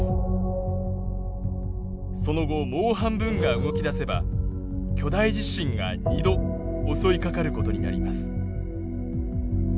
その後もう半分が動き出せば巨大地震が２度襲いかかることになります。